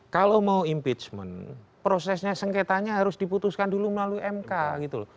kalau mau impeachment prosesnya sengketanya harus diputuskan dulu melalui mk gitu loh